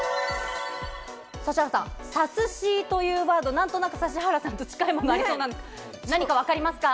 指原さん、サスシーというワード、なんとなく指原さんと近いものがありそうなんですが、何か分かりますか？